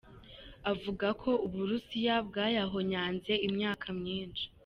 Avuga ko Uburusiya "bwayahonyanze imyaka myinshi".